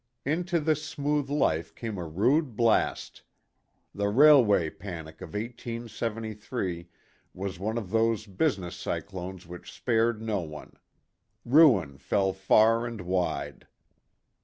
Into this smooth life came a rude blast. The railway panic of 1873 was one of those business cyclones which spared no one. Ruin fell far and wide.